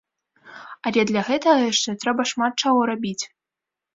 Але для гэтага яшчэ трэба шмат чаго рабіць.